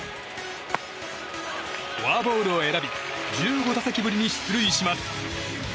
フォアボールを選び１５打席ぶりに出塁します。